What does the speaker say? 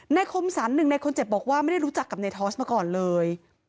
คมสรรหนึ่งในคนเจ็บบอกว่าไม่ได้รู้จักกับในทอสมาก่อนเลย